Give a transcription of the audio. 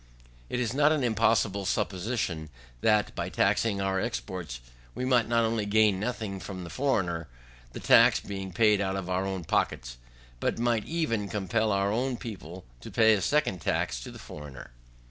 It is not an impossible supposition that, by taxing our exports, we might not only gain nothing from the foreigner, the tax being paid out of our own pockets, but might even compel our own people to pay a second tax to the foreigner.